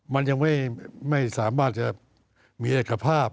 มันยังไม่สามารถจะมีเอกภาพ